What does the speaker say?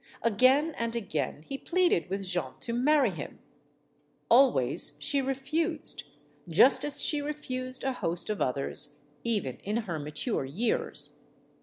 Again and again he pleaded with Jeanne to marry him. Always she refused, just as she refused a host of others, even in her mature years.